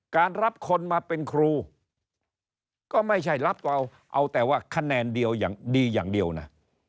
การรับคนมาเป็นครูก็ไม่ใช่รับเอาแต่ว่าคะแนนดีอย่างเดียวนะ